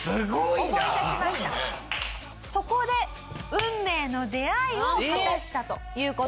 そこで運命の出会いを果たしたという事なんですね。